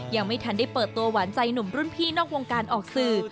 ยังไม่ทันได้เปิดตัวหวานใจหนุ่มรุ่นพี่นอกวงการออกสื่อ